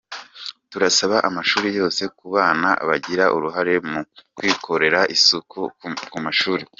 Turasaba amashuri yose ko abana bagira uruhare mu kwikorera isuku ku mashuri.